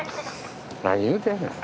何言うてんねん。